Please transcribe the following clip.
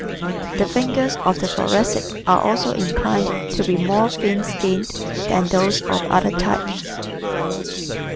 The fingers of the Thoracic are also inclined to be more thin skinned than those of other types.